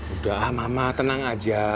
udah mama tenang aja